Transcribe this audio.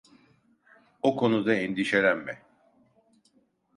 O konuda endişelenme.